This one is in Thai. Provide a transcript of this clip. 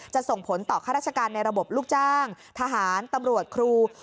ส่งผลต่อข้าราชการในระบบลูกจ้างทหารตำรวจครู